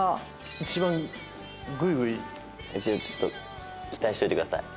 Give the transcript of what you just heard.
一応ちょっと期待しておいてください。